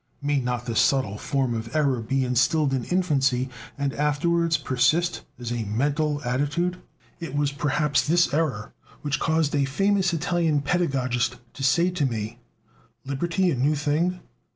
May not this subtle form of error be instilled in infancy and afterwards persist as a mental attitude? It was perhaps this error which caused a famous Italian pedagogist to say to me: "Liberty a new thing?